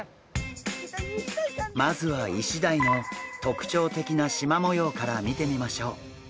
まずはイシダイの特徴的なしま模様から見てみましょう。